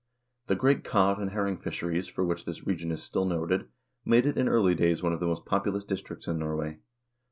The great cod and herring fisheries for which this region is still noted, made it in early days one of the most populous districts in Norway.